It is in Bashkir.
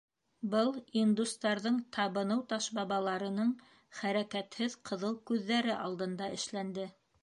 Был индустарҙың табыныу ташбабаларының хәрәкәтһеҙ ҡыҙыл күҙҙәре алдында эшләнде.